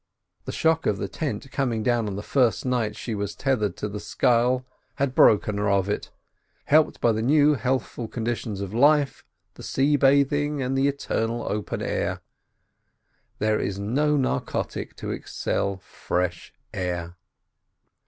The shock of the tent coming down on the first night she was tethered to the scull had broken her of it, helped by the new healthful conditions of life, the sea bathing, and the eternal open air. There is no narcotic to excel fresh air.